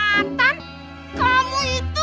nathan kamu itu